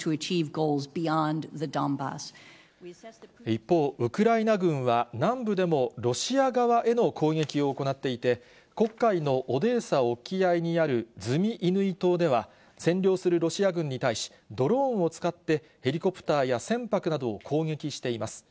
一方、ウクライナ軍は、南部でもロシア側への攻撃を行っていて、黒海のオデーサ沖合にある、ズミイヌイ島では、占領するロシア軍に対し、ドローンを使ってヘリコプターや船舶などを攻撃しています。